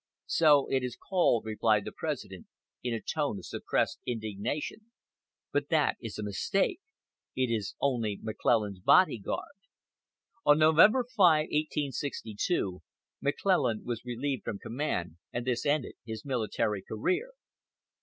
"So it is called," replied the President, in a tone of suppressed indignation. "But that is a mistake. It is only McClellan's bodyguard." On November 5, 1862, McClellan was relieved from command, and this ended his military career.